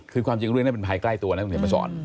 คือความจริงเรื่องนี้เป็นภัยใกล้ตัวนะคุณเขียนมาสอน